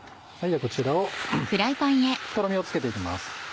こちらをとろみをつけていきます。